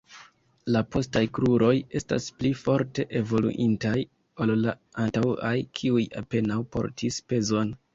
La postaj kruroj estis pli forte evoluintaj ol la antaŭaj, kiuj apenaŭ portis pezon.